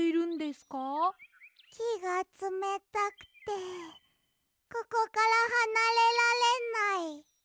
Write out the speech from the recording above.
きがつめたくてここからはなれられない。